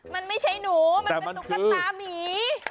มันไม่ใช่หนูมันเป็นตุ๊กตามี